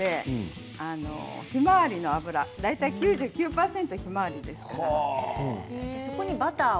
ひまわり油９９％ひまわりですから。